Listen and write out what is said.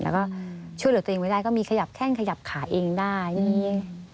แล้วก็ช่วยเหลือตัวเองไว้ได้ก็มีขยับแข้งขยับขาเองได้อย่างนี้